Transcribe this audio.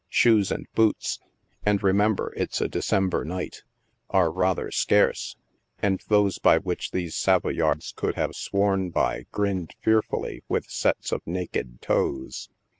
Shoes and boots, (and remem ber it's a December night,) are rather scarce — and those by which these Savoyards could have sworn by grinned fearfully with sets of naked toes.